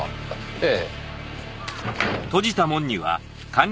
ええ。